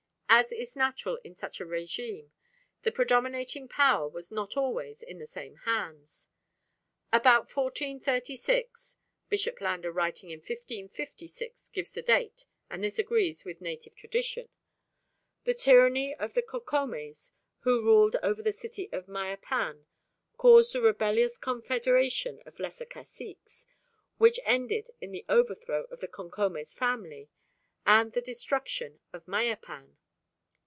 As is natural in such a régime, the predominating power was not always in the same hands. About 1436 (Bishop Landa, writing in 1556, gives the date, and this agrees with native tradition) the tyranny of the Cocomes who ruled over the great city of Mayapan caused a rebellious confederation of lesser caciques, which ended in the overthrow of the Cocomes family and the destruction of Mayapan.